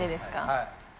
はい。